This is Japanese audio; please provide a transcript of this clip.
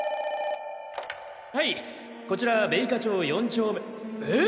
はいこちら米花町四丁目えっ！？